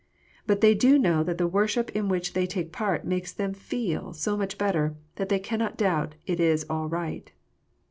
But they do know that the worship in which they take part makes them feel so much better, that they cannot doubt it is all right.